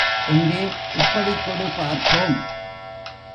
எங்கே, இப்படிக் கொடு பார்ப்போம்.